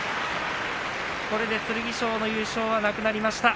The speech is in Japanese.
これで剣翔の優勝はなくなりました。